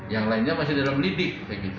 yang lainnya masih dalam lidik